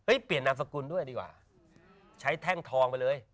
เปลี่ยนนามสกุลด้วยดีกว่าใช้แท่งทองไปเลย